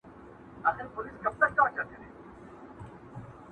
هسي نه چي لیري ولاړ سو په مزلونو!!